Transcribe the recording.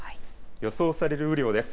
予想される雨量です。